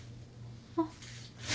あっ。